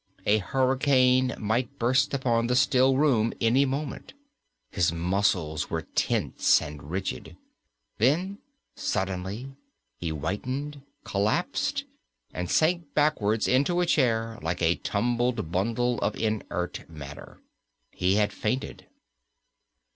A hurricane might burst upon the still room any moment. His muscles were tense and rigid. Then, suddenly, he whitened, collapsed, and sank backwards into a chair, like a tumbled bundle of inert matter. He had fainted.